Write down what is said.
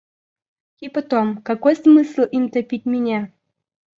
И потом, какой смысл им топить меня?